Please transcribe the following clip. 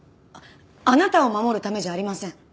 あなたを守るためじゃありません。